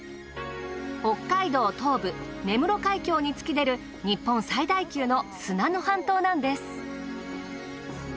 北海道東部根室海峡に突き出る日本最大級の砂の半島なんです。